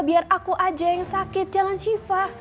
biar aku aja yang sakit jangan shiva